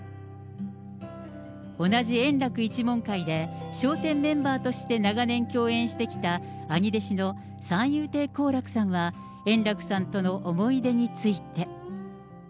同じ円楽一門会で、笑点メンバーとして長年、共演してきた兄弟子の三遊亭好楽さんは、円楽さんとの思い出について。